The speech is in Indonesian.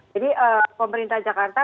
jadi pemerintah jakarta